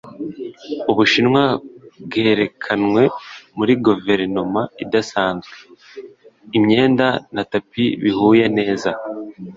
Ubushinwa bwerekanwe muri guverinoma idasanzwe. Imyenda na tapi bihuye neza.